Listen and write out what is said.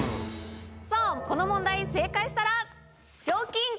さぁこの問題正解したら。